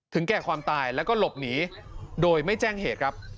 แก่ความตายแล้วก็หลบหนีโดยไม่แจ้งเหตุครับ